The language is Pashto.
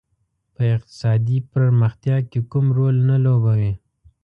په اقتصادي پرمختیا کې کوم رول نه لوبوي.